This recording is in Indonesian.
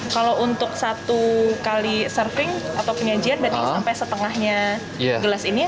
kalau untuk satu kali surfing atau penyajian berarti sampai setengahnya gelas ini